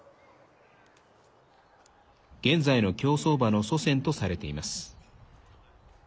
現在の競走馬の祖先とされています。